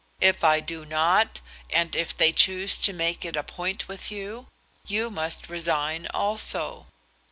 If I do not, and if they choose to make it a point with you, you must resign also."